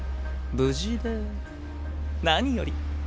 無事で何より。